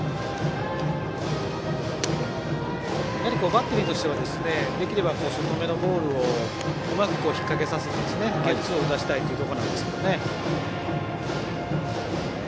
バッテリーとしてはできれば外めのボールをうまく引っ掛けさせてゲッツーを打たせたいところですけどね。